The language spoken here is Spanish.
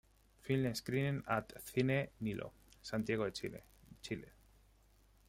Film screening at Cine Nilo, Santiago de Chile, Chile.